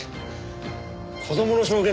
子供の証言